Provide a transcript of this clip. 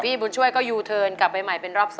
บุญช่วยก็ยูเทิร์นกลับไปใหม่เป็นรอบ๒